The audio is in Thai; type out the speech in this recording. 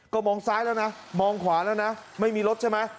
ก็มองซ้ายแล้วนะมองขวาแล้วนะไม่มีรถใช่ไหม